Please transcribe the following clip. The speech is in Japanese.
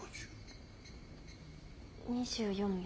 ２４秒。